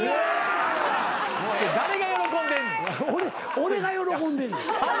俺が喜んでんねん。